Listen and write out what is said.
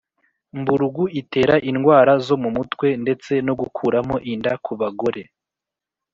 Mburugu itera indwara zo mu mutwe, ndetse no gukuramo inda ku bagore